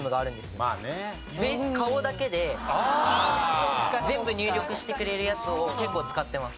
フェース顔だけで全部入力してくれるやつを結構使ってます。